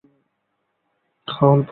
হ্যাঁ, অল্প অল্প।